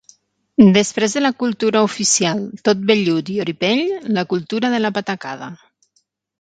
Després de la cultura oficial, tot vellut i oripell, la cultura de la patacada.